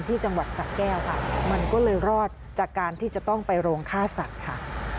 ที่จังหวัดสะแก้วค่ะมันก็เลยรอดจากการที่จะต้องไปโรงฆ่าสัตว์ค่ะ